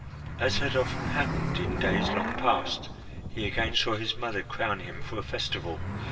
As had often happened in days long past, he again saw his mother crown him for a festival.